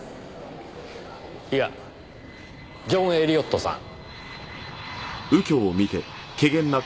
いやジョン・エリオットさん。